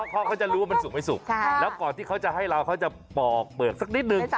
เค้าจะรู้ว่ามันสุกไม่สุกแล้วก่อนที่เค้าจะให้เราเค้าจะเปาใส่ออกเปิดสักนิดนึง